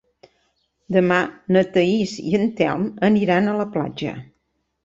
Demà na Thaís i en Telm aniran a la platja.